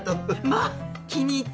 まあ気に入った。